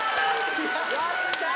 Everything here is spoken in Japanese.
やったー！